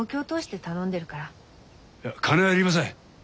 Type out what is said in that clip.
いや金はいりません。